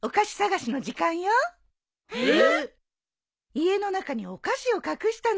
家の中にお菓子を隠したの。